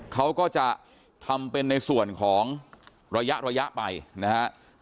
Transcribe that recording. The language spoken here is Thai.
เขาก็จะทำเป็นในส่วนของระยะไปนะฮะ